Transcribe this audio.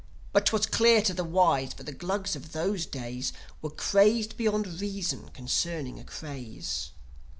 But 'twas clear to the wise that the Glugs of those days Were crazed beyond reason concerning a craze.